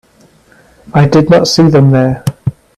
I did not see them there.